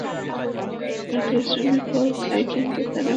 আমার পরিশ্রমের ফল খায় কিন্তু তারা গলায় আটকে না।